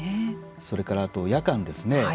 それから夜間ですね